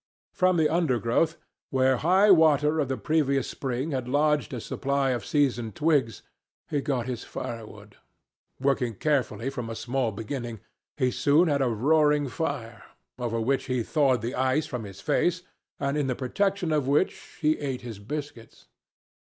From the undergrowth, where high water of the previous spring had lodged a supply of seasoned twigs, he got his firewood. Working carefully from a small beginning, he soon had a roaring fire, over which he thawed the ice from his face and in the protection of which he ate his biscuits.